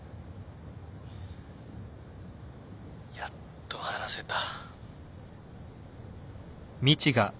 やっと話せた。